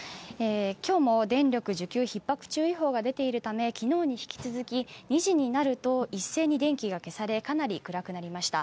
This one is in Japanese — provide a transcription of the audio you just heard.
今日も電力需給ひっ迫注意報が出ているため昨日に引き続き、２時になると一斉に電気が消され、かなり暗くなりました。